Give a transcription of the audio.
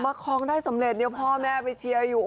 คลองได้สำเร็จเนี่ยพ่อแม่ไปเชียร์อยู่